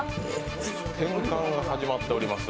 転換が始まっております。